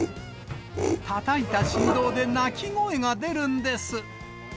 たたいた振動で鳴き声が出るんです。